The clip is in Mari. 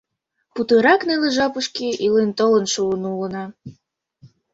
— Путырак неле жапышке илен толын шуын улына.